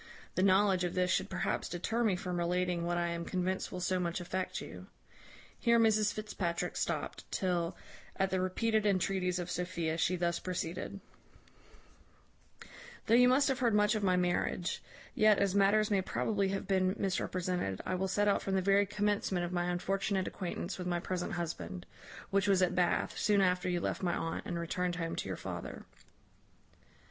The knowledge of this should perhaps deter me from relating what I am convinced will so much affect you." Here Mrs Fitzpatrick stopt, till, at the repeated entreaties of Sophia, she thus proceeded: "Though you must have heard much of my marriage; yet, as matters may probably have been misrepresented, I will set out from the very commencement of my unfortunate acquaintance with my present husband; which was at Bath, soon after you left my aunt, and returned home to your father.